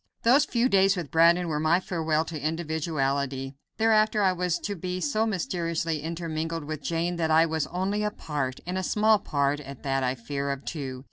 Those few days with Brandon were my farewell to individuality. Thereafter I was to be so mysteriously intermingled with Jane that I was only a part and a small part at that I fear of two.